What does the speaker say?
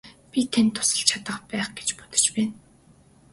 Би танд тусалж чадах байх гэж бодож байна.